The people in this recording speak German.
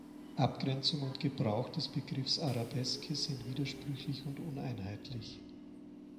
Abgrenzung und Gebrauch des Begriffs "Arabeske" sind widersprüchlich und uneinheitlich.